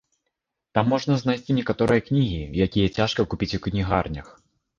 Там можна знайсці некаторыя кнігі, якія цяжка купіць у кнігарнях.